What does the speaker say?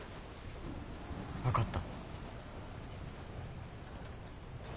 分かった。